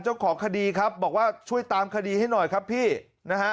เจ้าของคดีครับบอกว่าช่วยตามคดีให้หน่อยครับพี่นะฮะ